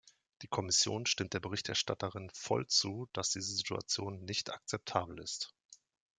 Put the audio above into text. Die Kommission stimmt der Berichterstatterin voll zu, dass diese Situation nicht akzeptabel ist.